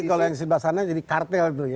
jadi kalau yang di sebelah sana jadi kartel itu ya